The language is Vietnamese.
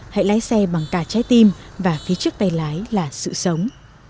hãy lái xe bằng cả trái tim và phía trước tay lái là sự sống